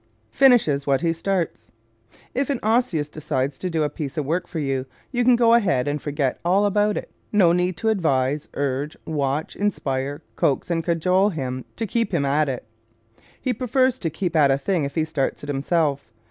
Finishes What He Starts If an Osseous decides to do a piece of work for you you can go ahead and forget all about it. No need to advise, urge, watch, inspire, coax and cajole him to keep him at it. He prefers to keep at a thing if he starts it himself.